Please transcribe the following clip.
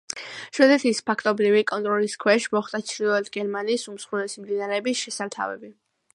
შვედეთის ფაქტობრივი კონტროლის ქვეშ მოხვდა ჩრდილოეთ გერმანიის უმსხვილესი მდინარეების შესართავები.